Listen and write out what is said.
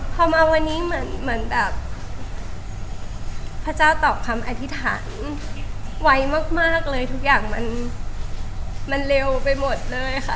พอมาวันนี้เหมือนแบบพระเจ้าตอบคำอธิษฐานไวมากเลยทุกอย่างมันเร็วไปหมดเลยค่ะ